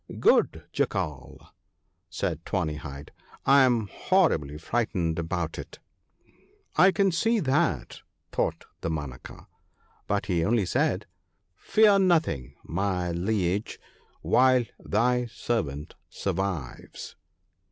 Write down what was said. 'Good Jackal/ said Tawny hide, 'I am horribly frightened about it.' ' I can see that/ thought Damanaka ; but he only said, ' Fear nothing, my liege, while thy servant survives.'